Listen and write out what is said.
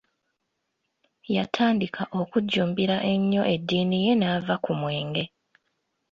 Yatandika okujumbira ennyo eddiini ye n'ava ku mwenge.